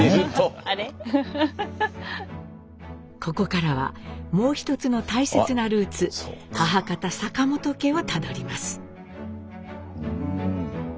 ここからはもう一つの大切なルーツ母方坂本家をたどります。